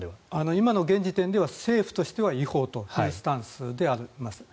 今の現時点では政府としては違法というスタンスではあります。